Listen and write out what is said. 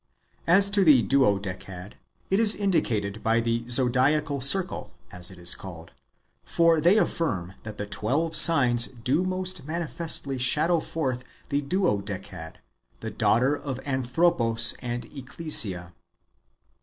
As to the Duodecad, it is indicated by the zodiacal circle, as it is called ; for they affirm that the twelve signs do most manifestly shadow forth the Duodecad, the daughter of Anthropos and Ecclesia.